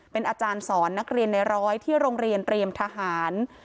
เป็นอาจารย์สอนนักเรียนในร้อยที่โรงเรียนเตรียมทหาร